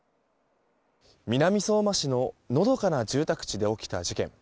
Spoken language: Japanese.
南相馬市ののどかな住宅地で起きた事件。